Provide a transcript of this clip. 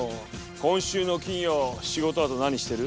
今週の金曜仕事のあと何してる？